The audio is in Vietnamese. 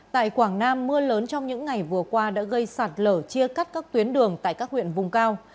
tại quảng nam mưa lớn trong những ngày vừa qua đã gây sạt lở chia cắt các tuyến đường tại các huyện vùng cao